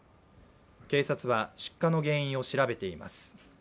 警察は出火の原因を調べています。